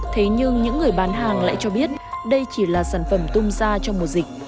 thế nhưng những người bán hàng lại cho biết đây chỉ là sản phẩm tung ra trong mùa dịch